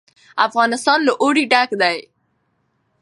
افغانستان له اوړي ډک دی.